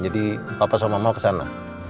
jadi papa sama mama kesana